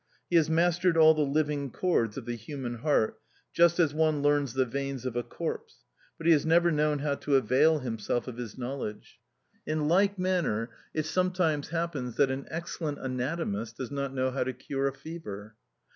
He has mastered all the living chords of the human heart, just as one learns the veins of a corpse, but he has never known how to avail himself of his knowledge. In like manner, it sometimes happens that an excellent anatomist does not know how to cure a fever.